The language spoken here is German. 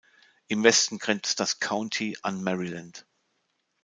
Im Westen grenzt das County an Maryland.